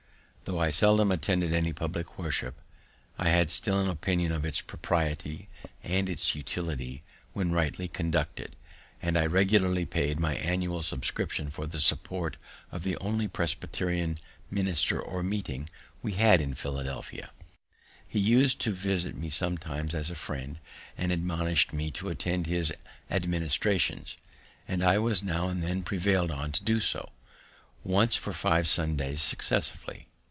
Tho' I seldom attended any public worship, I had still an opinion of its propriety, and of its utility when rightly conducted, and I regularly paid my annual subscription for the support of the only Presbyterian minister or meeting we had in Philadelphia. He us'd to visit me sometimes as a friend, and admonished me to attend his administrations, and I was now and then prevail'd on to do so, once for five Sundays successively.